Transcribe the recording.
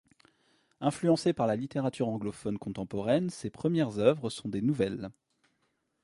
Influencé par la littérature anglophone contemporaine, ses premières œuvres sont des nouvelles.